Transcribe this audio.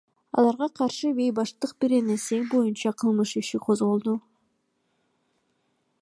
Аларга каршы Бейбаштык беренеси боюнча кылмыш иши козголду.